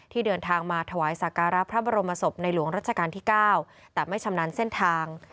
เดินทางมาถวายสักการะพระบรมศพในหลวงรัชกาลที่๙แต่ไม่ชำนาญเส้นทาง